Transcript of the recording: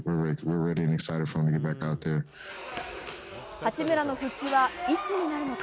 八村の復帰はいつになるのか？